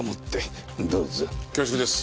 恐縮です。